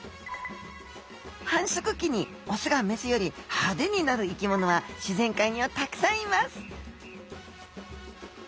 繁殖期にオスがメスより派手になる生き物は自然界にはたくさんいます